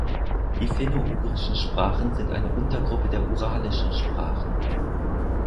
Die finno-ugrischen Sprachen sind eine Untergruppe der uralischen Sprachen.